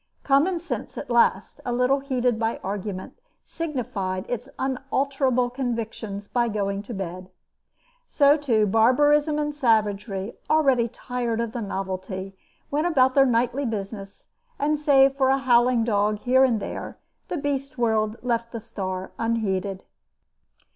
Common sense at last, a little heated by argument, signified its unalterable convictions by going to bed. So, too, barbarism and savagery, already tired of the novelty, went about their nightly business, and save for a howling dog here and there, the beast world left the star unheeded.